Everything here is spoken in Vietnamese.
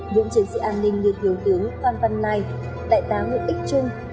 những chiến sĩ an ninh như thiếu tướng phan văn nai đại tá nguyễn ích trung